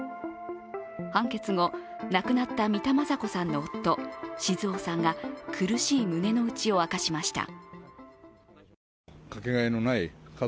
判決後、亡くなった三田昌子さんの夫、静雄さんが苦しい胸のうちを明かしました。